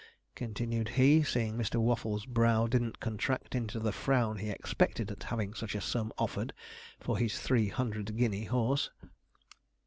continued he, seeing Mr. Waffles' brow didn't contract into the frown he expected at having such a sum offered for his three hundred guinea horse.